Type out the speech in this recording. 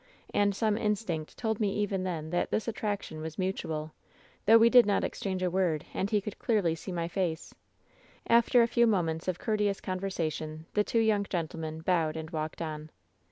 And some instinct told me even then that this attraction was mutual, though we did not ex* ^fChange a word, and he could clearly see my face. 158 WHEN SHADOWS DIE "After a few moments of courteous conversation, the two young gentlemen bowed and walked on.